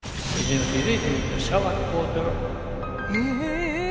ええ！